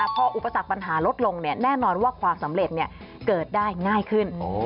พออุปสรรคปัญหาลดลงแน่นอนว่าความสำเร็จเกิดได้ง่ายขึ้น